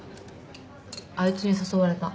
あいつに誘われた。